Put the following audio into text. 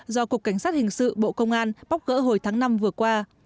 do cục cảnh sát hình sự bộ công an bóc gỡ hồi tháng năm vừa qua